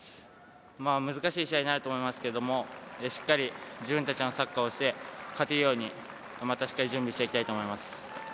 難しい試合になると思いますけど、しっかり自分たちのサッカーをして勝てるように、しっかり準備していきたいと思います。